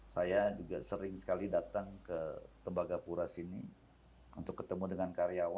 saya juga sering sekali datang ke tembagapura sini untuk ketemu dengan karyawan